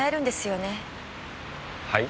はい？